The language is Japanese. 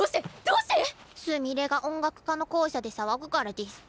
どうして⁉すみれが音楽科の校舎で騒ぐからデス。